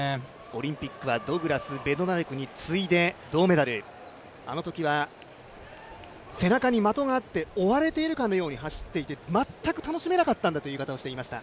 オリンピックはド・グラス、ベドナレクに続いて銅メダルあのときは背中に的があって追われているかのように走っていて全く楽しめなかったんだという言い方をしていました。